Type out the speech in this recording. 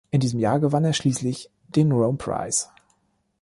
In diesem Jahr gewann er schließlich den Rome Prize.